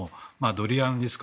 ドリアンリスク